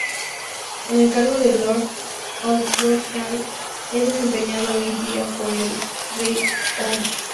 El cargo de "Lord Advocate" es desempeñado hoy día por el Rt Hon.